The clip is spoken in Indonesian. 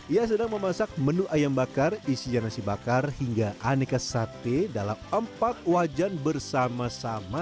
ia sedang memasak menu ayam bakar isian nasi bakar hingga aneka sate dalam empat wajan bersama sama